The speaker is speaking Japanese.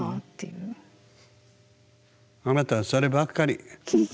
あなたはそればっかり。